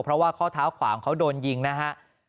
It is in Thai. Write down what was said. เพราะว่าข้อเท้าขวางเขาโดนยิงนะฮะ